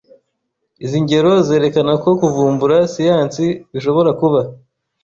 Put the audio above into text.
Izi ngero zerekana ko kuvumbura siyansi bishobora kuba